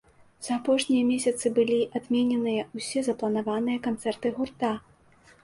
За апошнія месяцы былі адмененыя ўсе запланаваныя канцэрты гурта.